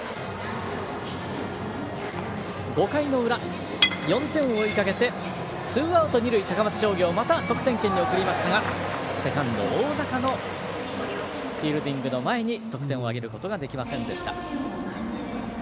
５回の裏、４点を追いかけてツーアウト、二塁高松商業、また得点圏に送りましたが、セカンド、大仲のフィールディングの前に得点を挙げることはできませんでした。